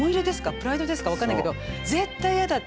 プライドですか分かんないけど絶対やだって言って。